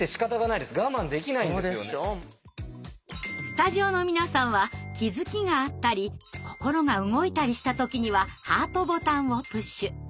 スタジオの皆さんは気づきがあったり心が動いたりした時にはハートボタンをプッシュ。